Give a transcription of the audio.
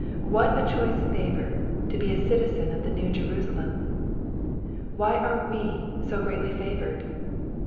What a choice favour, to be a citizen of the New Jerusalem I Why are we so gieatly favoured